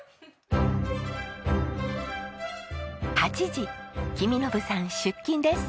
８時公伸さん出勤です。